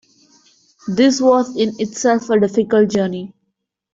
This was in itself a difficult journey.